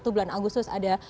bulan agustus ada